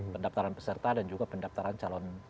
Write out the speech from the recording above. pendaktaran peserta dan juga pendaktaran calon